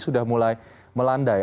sudah mulai melandai